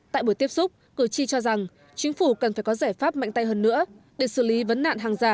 tại buổi tiếp xúc cử tri cho rằng chính phủ cần phải có giải pháp mạnh tay hơn nữa để xử lý vấn nạn hàng giả